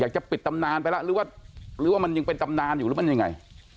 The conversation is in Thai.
ปิดตำนานไปแล้วหรือว่ามันยังเป็นตำนานอยู่หรือมันยังไง